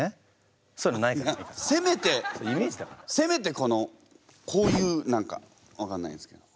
せめてせめてこのこういう何か分かんないんですけど。